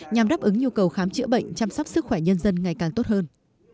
nhằm đáp ứng nhu cầu khám chữa bệnh chăm sóc sức khỏe nhân dân ngày càng tốt hơn